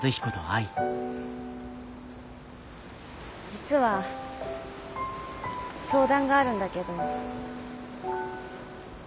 実は相談があるんだけど。